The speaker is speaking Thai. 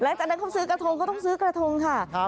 หลังจากนั้นเขาซื้อกระทงเขาต้องซื้อกระทงค่ะ